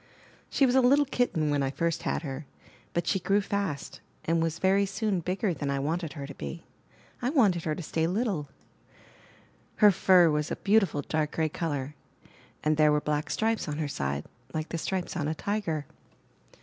She was a little kitten when I first had her; but she grew fast, and was very soon bigger than I wanted her to be. I wanted her to stay little. Her 315 MY BOOK HOUSE fur was a beautiful dark gray color, and there were black stripes on her sides, like the stripes on a tiger.